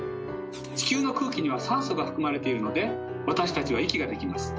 地球の空気には酸素が含まれているので私たちは息ができます。